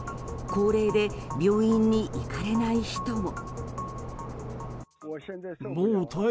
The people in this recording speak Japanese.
高齢で病院に行かれない人も。